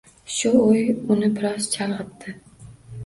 Shu o`y uni biroz chalg`itdi